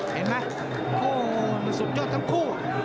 เห็นมั้ยมันสุขโยชน์ทั้งคู่